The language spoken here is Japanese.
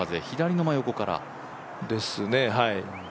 左の真横から。